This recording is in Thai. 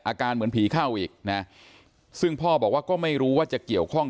อาการเหมือนผีเข้าอีกนะซึ่งพ่อบอกว่าก็ไม่รู้ว่าจะเกี่ยวข้อง